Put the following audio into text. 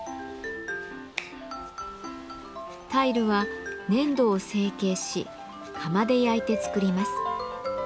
タイルは粘土を成形し釜で焼いて作ります。